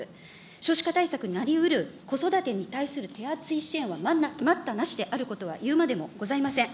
少子化対策になりうる、子育てに対する手厚い支援は待ったなしであることは言うまでもございません。